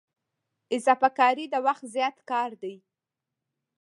اضافه کاري د وخت زیات کار دی